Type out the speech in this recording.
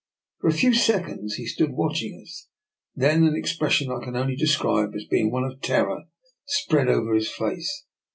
For a few seconds he stood watching us, then an expression that I can only describe as being one of terror spread over his face.